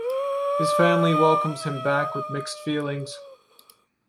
His family welcomes him back with mixed feelings.